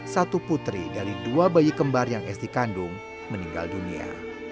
satu putri dari dua bayi kembar yang esti kandung meninggal dunia